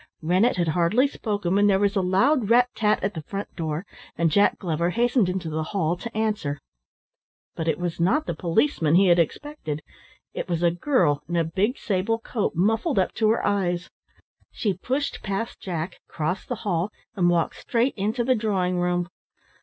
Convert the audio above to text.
Rennett had hardly spoken when there was a loud rat tat at the front door, and Jack Glover hastened into the hall to answer. But it was not the policeman he had expected. It was a girl in a big sable coat, muffled up to her eyes. She pushed past Jack, crossed the hall, and walked straight into the drawing room.